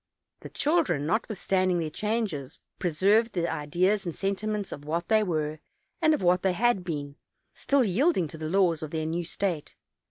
The children, not withstanding their changes, preserved the ideas and senti ments of what they were, and of what they had been; still yielding to the laws of their new state.